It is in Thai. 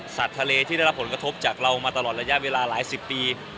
ทะเลที่ได้รับผลกระทบจากเรามาตลอดระยะเวลาหลายสิบปี